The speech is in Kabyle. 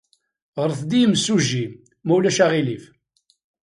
Ɣret-d i yimsujji, ma ulac aɣilif.